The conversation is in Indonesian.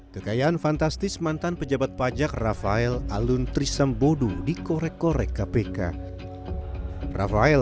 kekayaan fantastis mantan pejabat pajak rafael alun trisem bodo di korek korek kpk rafael